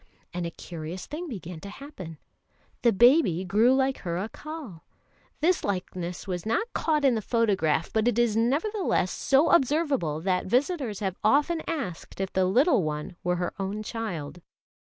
And a curious thing began to happen: the baby grew like her Accal. This likeness was not caught in the photograph, but is nevertheless so observable that visitors have often asked if the little one were her own child.